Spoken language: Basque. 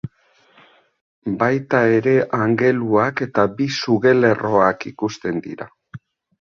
Baita ere angeluak eta bi suge-lerroak ikusten dira.